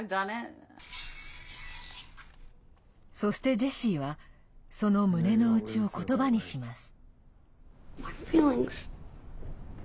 そして、ジェシーはその胸の内をことばにします。